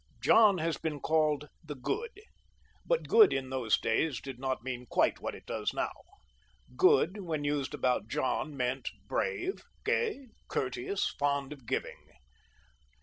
John has been called the Good ; but good in those days did not mean quite what it does now ;" good," when used about John, meant brave, gay, courteous, fond of giving.